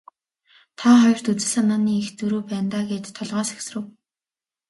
Та хоёрт үзэл санааны их зөрүү байна даа гээд толгой сэгсрэв.